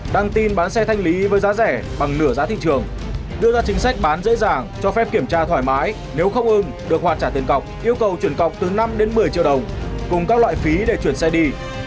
đăng tin bán xe thanh lý với giá rẻ bằng nửa giá thị trường đưa ra chính sách bán dễ dàng cho phép kiểm tra thoải mái nếu không ưng được hoàn trả tiền cọc yêu cầu chuyển cọc từ năm đến một mươi triệu đồng cùng các loại phí để chuyển xe đi